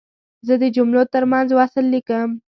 زه د جملو ترمنځ وصل لیکم.